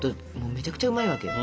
めちゃくちゃうまいわけよ。